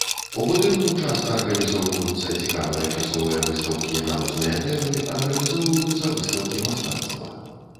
У будынку часта арганізуюцца цікавыя часовыя выстаўкі на розныя тэмы, арганізоўваюцца выстаўкі мастацтва.